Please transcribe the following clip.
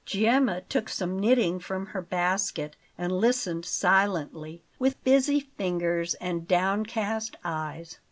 Gemma took some knitting from her basket and listened silently, with busy fingers and downcast eyes.